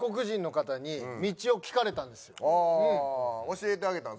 教えてあげてたの？